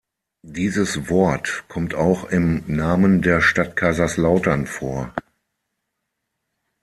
Dieses Wort kommt auch im Namen der Stadt Kaiserslautern vor.